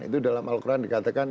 itu dalam al quran dikatakan